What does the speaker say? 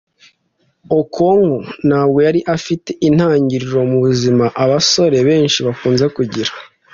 okonkwo ntabwo yari afite intangiriro mubuzima abasore benshi bakunze kugira